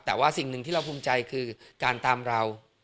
แต่ว่าสิ่งหนึ่งที่เราภูมิใจคือการตามเรา